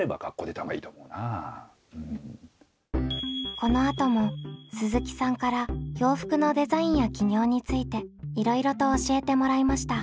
このあとも鈴木さんから洋服のデザインや起業についていろいろと教えてもらいました。